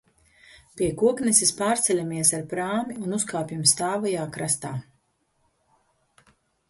Pie Kokneses pārceļamies ar prāmi un uzkāpjam stāvajā krastā.